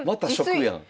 また食やん。